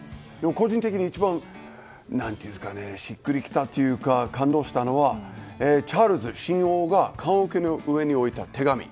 個人的に一番しっくりきたというか感動したのはチャールズ新王が棺おけの上に置いた手紙。